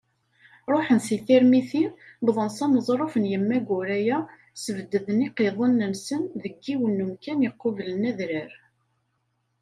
Ṛuḥen si Tirmitin, wwḍen s aneẓruf n Yemma Guraya, sbedden iqiḍunen-nsen deg yiwen n umkan iqublen adrar.